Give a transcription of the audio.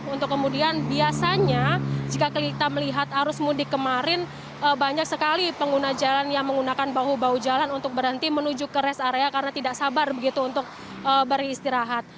untuk kemudian biasanya jika kita melihat arus mudik kemarin banyak sekali pengguna jalan yang menggunakan bahu bahu jalan untuk berhenti menuju ke rest area karena tidak sabar begitu untuk beristirahat